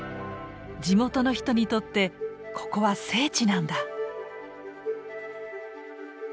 地元の人にとってここは聖地なんだ。